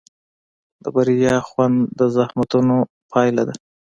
د بریا خوند د زحمتونو پایله ده.